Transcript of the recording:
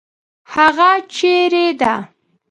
هغه چیرې ده؟